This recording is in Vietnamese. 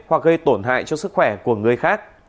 hoặc gây tổn hại cho sức khỏe của người khác